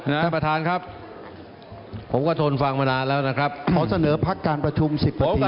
ท่านประธานครับผมก็ทนฟังมานานแล้วนะครับขอเสนอพักการประชุมสิบนาที